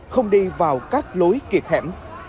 không đi vào các lối kiệt hẻm